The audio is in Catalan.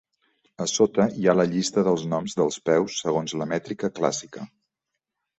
A sota hi ha la llista dels noms dels peus segons la mètrica clàssica.